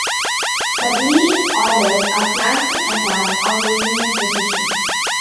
But Lee orders a flanking attack on the Union position.